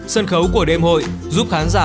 sân khấu của đêm hội giúp khán giả